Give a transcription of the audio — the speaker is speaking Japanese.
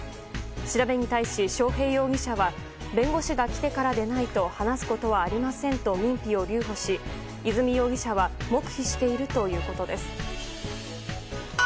調べに対し章平容疑者は弁護士が来てからでないと話すことはありませんと認否を留保し、和美容疑者は黙秘しているということです。